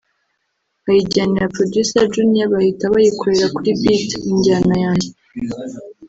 ayijyanira producer Junior bahita bayikorera kuri beat (injyana) yanjye